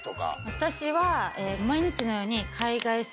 私は毎日のように。